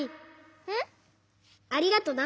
うん？ありがとな。